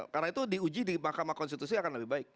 karena itu diuji di mahkamah konstitusi akan lebih baik